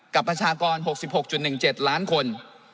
ประชากร๖๖๑๗ล้านคน